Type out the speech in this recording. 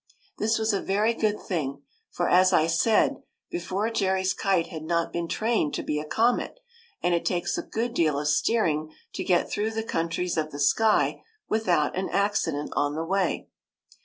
This was a very good thing, for, as I said be fore, Jerry's kite had not been trained to be a comet, and it takes a good deal of steering to get through the countries of the sky without an accident on the way.